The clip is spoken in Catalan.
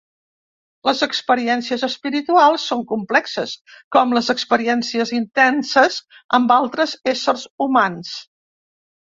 Les experiències espirituals són complexes com les experiències intenses amb altres éssers humans.